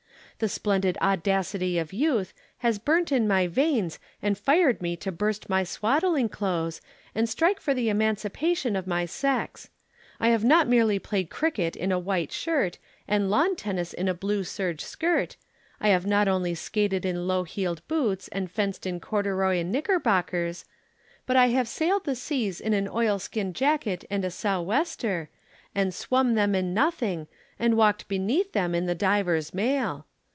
The splendid audacity of youth has burnt in my veins and fired me to burst my swaddling clothes and strike for the emancipation of my sex. I have not merely played cricket in a white shirt and lawn tennis in a blue serge skirt, I have not only skated in low heeled boots and fenced in corduroy knickerbockers, but I have sailed the seas in an oil skin jacket and a sou' wester and swum them in nothing and walked beneath them in the diver's mail.